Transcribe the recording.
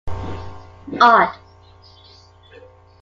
Odd.